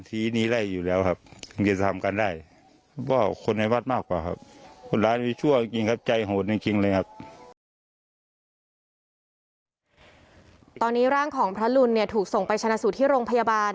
ตอนนี้ร่างของพระรุนเนี่ยถูกส่งไปชนะสูตรที่โรงพยาบาล